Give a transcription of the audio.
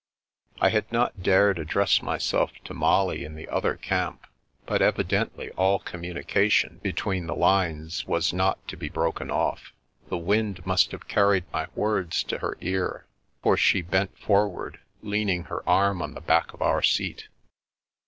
I had not dared address myself to Molly in the other camp, but evidently all communication be tween the lines was not to be broken off. The wind must have carried my words to her ear, for she bent forward, leaning her arm on the back of our seat.